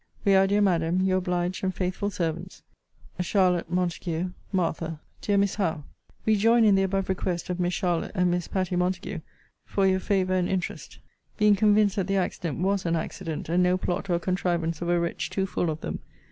We are, dear Madam, Your obliged and faithful servants, CHARLOTTE | MONTAGUE. MARTHA |DEAR MISS HOWE, We join in the above request of Miss Charlotte and Miss Patty Montague, for your favour and interest; being convinced that the accident was an accident, and no plot or contrivance of a wretch too full of them.